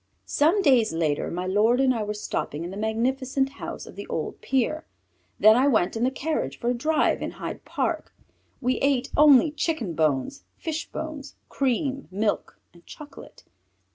Some days later my lord and I were stopping in the magnificent house of the old Peer; then I went in the carriage for a drive in Hyde Park. We ate only chicken bones, fishbones, cream, milk, and chocolate.